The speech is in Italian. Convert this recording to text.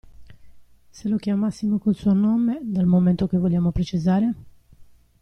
Se lo chiamassimo col suo nome, dal momento che vogliamo precisare?